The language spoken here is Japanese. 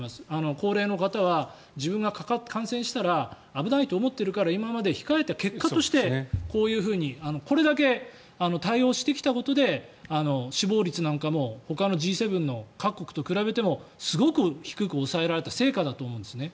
高齢の方は、自分が感染したら危ないと思ってるから今まで控えた結果としてこういうふうにこれだけ対応してきたことで死亡率なんかもほかのＧ７の各国と比べてもすごく低く抑えられた成果だと思うんですね。